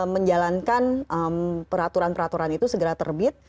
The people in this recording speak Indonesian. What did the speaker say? menjalankan peraturan peraturan itu segera terbit